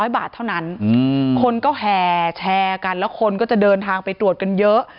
๐บาทเท่านั้นคนก็แห่แชร์กันแล้วคนก็จะเดินทางไปตรวจกันเยอะ